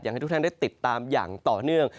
ให้ทุกท่านได้ติดตามอย่างต่อเนื่อง